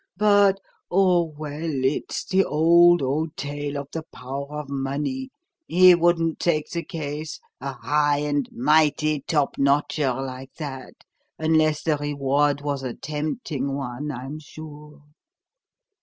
But oh, well, it's the old, old tale of the power of money. He wouldn't take the case a high and mighty 'top notcher' like that unless the reward was a tempting one, I'm sure."